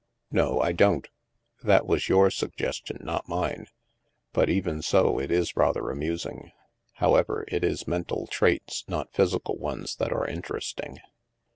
"No, I don't. That was your suggestion, not mine. But, even so, it is rather amusing. How ever, it is mental traits, not physical ones, that are interesting.